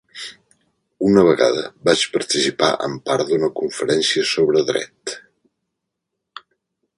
Una vegada vaig participar en part d'una conferència sobre dret.